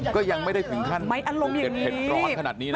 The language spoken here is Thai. ก็ยังไม่ได้ถึงขั้นเด็ดร้อนขนาดนี้นะ